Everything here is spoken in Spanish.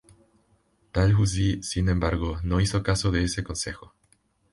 Dalhousie, sin embargo, no hizo caso de ese consejo.